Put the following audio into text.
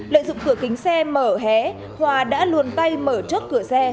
lợi dụng cửa kính xe mở hé hòa đã luồn tay mở trước cửa xe